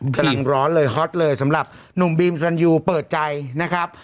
กำลังร้อนเลยฮอตเลยสำหรับหนุ่มบีมซันยูเปิดใจนะครับ